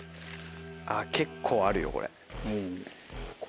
結構あるよこれ。